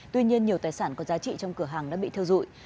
tuy nhiên nhiều tài sản có giá trị trong cửa hàng đã bị theo dụi